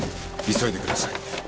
急いでください。